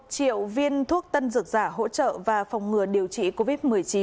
năm triệu viên thuốc tân dược giả hỗ trợ và phòng ngừa điều trị covid một mươi chín